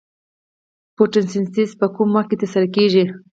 فتوسنتیز په کوم وخت کې ترسره کیږي